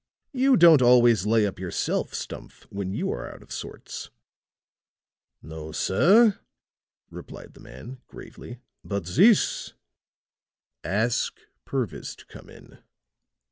"You don't always lay up yourself, Stumph, when you are out of sorts." "No, sir," replied the man, gravely, "but this " "Ask Purvis to come in."